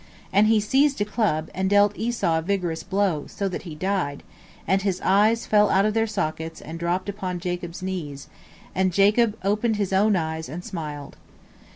and he seized a club and dealt Esau a vigorous blow, so that he died, and his eyes fell out of their sockets and dropped upon Jacob's knees, and Jacob opened his own eyes and smiled.